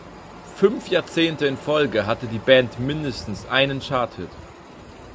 Fünf Jahrzehnte in Folge hatte die Band mindestens einen Charthit.